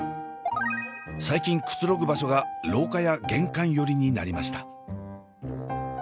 最近くつろぐ場所が廊下や玄関寄りになりました。